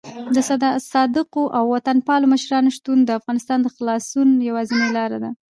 د صادقو او وطن پالو مشرانو شتون د افغانستان د خلاصون یوازینۍ لاره ده.